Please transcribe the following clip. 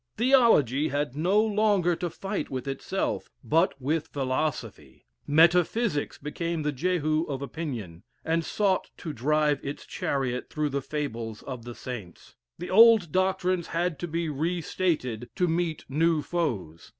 Theology had no longer to fight with itself, but with philosophy. Metaphysics became the Jehu of opinion, and sought to drive its chariot through the fables of the saints. The old doctrines had to be re stated to meet new foes.